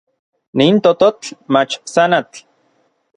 Nin tototl mach tsanatl.